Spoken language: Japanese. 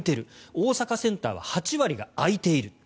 大阪センターは８割が空いている。